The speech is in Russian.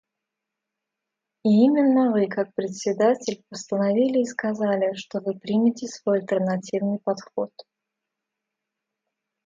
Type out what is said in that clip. И именно Вы, как Председатель, постановили и сказали, что Вы примете свой альтернативный подход.